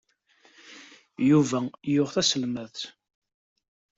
Yuba yuɣ taselmadt.